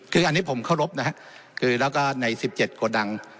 คืออันนี้ผมเคารพนะฮะคือแล้วก็ในสิบเจ็ดโกดัง